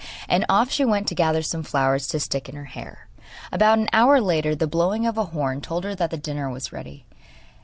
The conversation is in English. And off she went to gather some flowers to stick in her hair. About an hour later the blowing of a horn told her that dinner was ready.